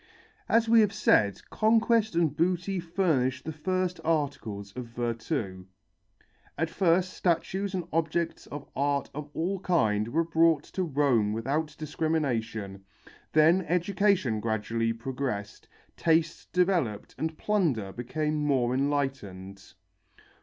As we have said, conquest and booty furnished the first articles of virtu. At first statues and objects of art of all kinds were brought to Rome without discrimination, then education gradually progressed, taste developed and plunder became more enlightened.